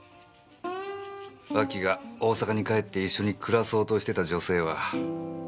脇が大阪に帰って一緒に暮らそうとしてた女性は。